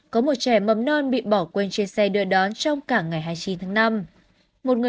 có một trẻ mầm non bị bỏ quên trên xe đưa đón trong cả ngày hai mươi chín tháng năm